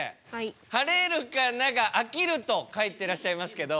「はれるかながあきる」と書いてらっしゃいますけど。